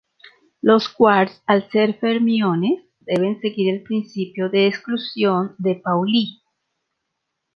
Los quarks, al ser fermiones, deben seguir el principio de exclusión de Pauli.